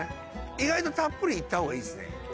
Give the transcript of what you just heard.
意外とたっぷり行ったほうがいいですね。